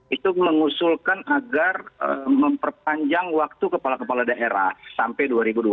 itu mengusulkan agar memperpanjang waktu kepala kepala daerah sampai dua ribu dua puluh empat